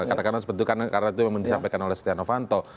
karena itu yang disampaikan oleh stian novanto